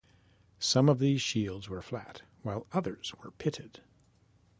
Some of these shields were flat, while others were pitted.